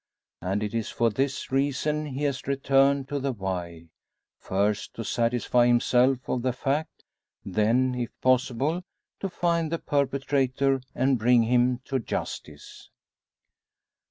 And it is for this reason he has returned to the Wye, first to satisfy himself of the fact; then, if possible, to find the perpetrator, and bring him to justice.